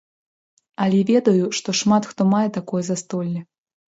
Але ведаю, што шмат хто мае такое застолле.